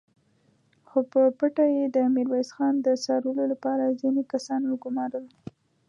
خو په پټه يې د ميرويس خان د څارلو له پاره ځينې کسان وګومارل!